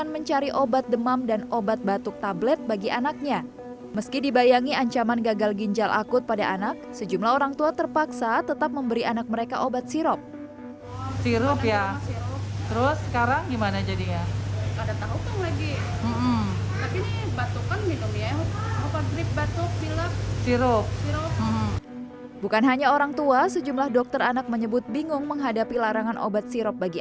persentase tidak pernah tapi rata rata satu pasien itu pasti dapat obat sirop